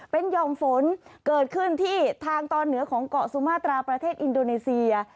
เป็นห่อมฝนเกิดขึ้นที่ทางตอนเหนือของเกาะสุมาตราประเทศอินโดนีเซีย